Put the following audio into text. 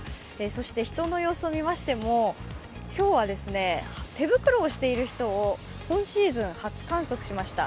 そして人の様子を見ましても今日は手袋をしている人を今シーズン初観測しました。